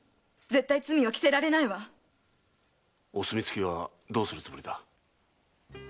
お墨付きはどうするつもりだ？